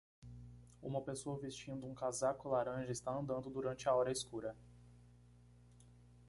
Uma pessoa vestindo um casaco laranja está andando durante a hora escura.